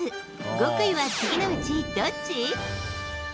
極意は次のうちどっち？